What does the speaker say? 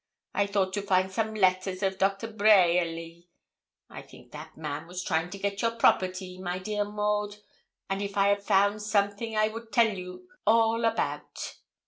I thought to find some letters of Dr. Braierly. I think that man was trying to get your property, my dear Maud, and if I had found something I would tell you all about.